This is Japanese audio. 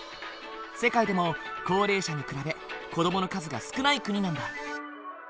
世界でも高齢者に比べ子どもの数が少ない国なんだ。